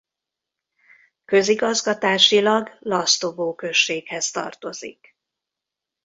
Közigazgatásilag Lastovo községhez tartozik.